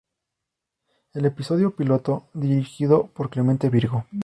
El episodio piloto, dirigido por Clemente Virgo.